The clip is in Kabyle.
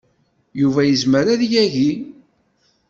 Yuba yezmer ad yagi.